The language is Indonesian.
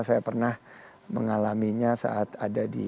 saya pernah mengalaminya saat ada di level satu